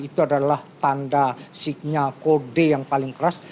itu adalah tanda signal kode yang paling keras